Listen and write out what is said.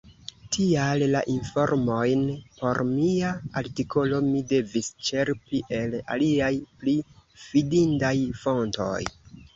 Tial la informojn por mia artikolo mi devis ĉerpi el aliaj, pli fidindaj fontoj.